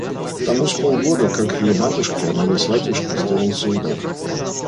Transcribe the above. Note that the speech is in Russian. Тому с полгода, как ее матушке, а моей сватьюшке, сделался удар...